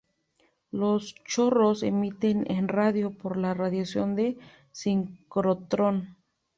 Los chorros emiten en radio por radiación de sincrotrón.